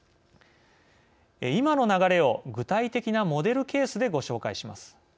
今の流れを、具体的なモデルケースでご紹介します。